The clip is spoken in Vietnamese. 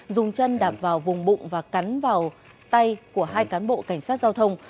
dùng chân đạp vào vùng bụng và cắn vào tay của hai cán bộ cảnh sát giao thông